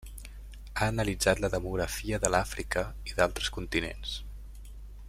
Ha analitzat la demografia de l'Àfrica i d'altres continents.